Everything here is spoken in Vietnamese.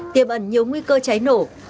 tiềm ẩn nhiều nguy cơ cháy nổ